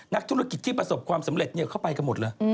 นักธุรกิจที่ประสบความสำเร็จเข้าไปกันหมดเลย